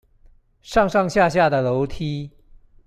上上下下的樓梯